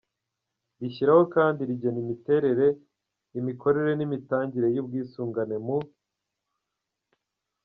rishyiraho kandi rigena imiterere, imikorere n‟imitangire y‟ubwisungane mu